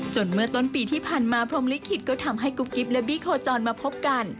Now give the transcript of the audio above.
เมื่อต้นปีที่ผ่านมาพรมลิขิตก็ทำให้กุ๊กกิ๊บและบี้โคจรมาพบกัน